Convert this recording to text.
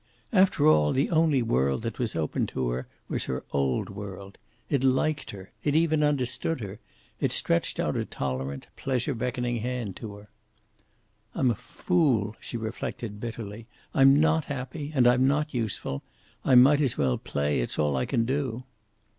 After all, the only world that was open to her was her old world. It liked her. It even understood her. It stretched out a tolerant, pleasure beckoning hand to her. "I'm a fool," she reflected bitterly. "I'm not happy, and I'm not useful. I might as well play. It's all I can do."